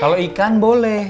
kalau ikan boleh